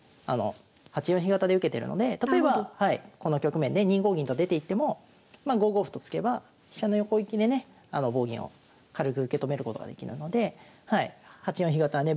８四飛型で受けてるので例えばこの局面で２五銀と出ていってもまあ５五歩と突けば飛車の横利きでね棒銀を軽く受け止めることができるので８四飛型はね